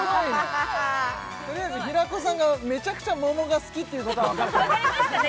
とりあえず平子さんがめちゃくちゃ桃が好きっていうことは分かった分かりましたね